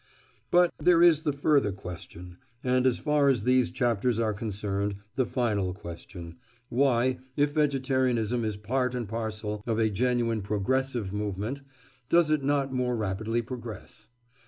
But there is the further question—and as far as these chapters are concerned, the final question—why, if vegetarianism is part and parcel of a genuine "progressive" movement, does it not more rapidly progress?